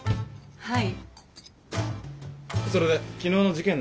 はい。